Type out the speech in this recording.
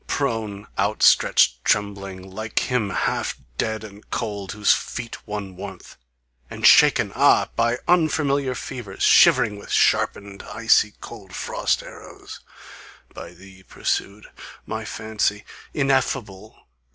Prone, outstretched, trembling, Like him, half dead and cold, whose feet one warm'th And shaken, ah! by unfamiliar fevers, Shivering with sharpened, icy cold frost arrows, By thee pursued, my fancy! Ineffable!